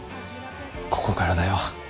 ここからだよ